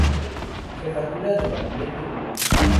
Jefatura de Gabinete de Ministros.